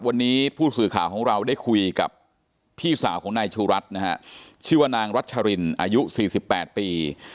วันนี้ผู้สื่อข่าวของเราได้คุยกับพี่สาวของนายชูรัฐนะฮะชื่อว่านางรัชรินอายุ๔๘ปี